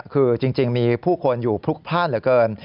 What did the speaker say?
คือจริงมีผู้คนอยู่พลุกพลาดเหลือเกิน